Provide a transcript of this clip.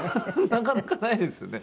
なかなかないですよね。